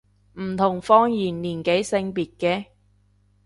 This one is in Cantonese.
唔同方言年紀性別嘅